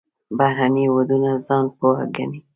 بهرني هېوادونه ځان پوه ګڼي.